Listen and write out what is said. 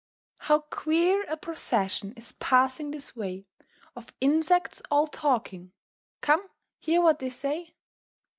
How queer a procession is passing this way, Of insects all talking; come, hear what they say!